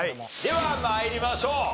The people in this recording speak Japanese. では参りましょう。